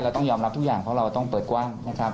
ต้องยอมรับทุกอย่างเพราะเราต้องเปิดกว้างนะครับ